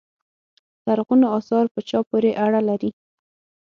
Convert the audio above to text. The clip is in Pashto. لرغونو اثار په چا پورې اړه لري.